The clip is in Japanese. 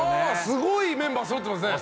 すごいメンバー揃ってますね